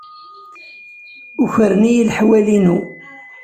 Ukren-iyi leḥwal-inu.